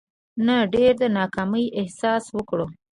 نه ډېر د ناکامي احساس وکړو.